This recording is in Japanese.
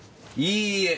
いいえ！